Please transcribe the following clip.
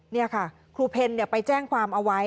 นี่ค่ะครูเพลไปแจ้งความเอาไว้